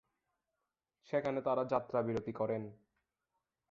সেখানে তারা যাত্রাবিরতি করেন।